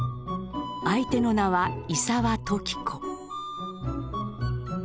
相手の名は伊澤時子。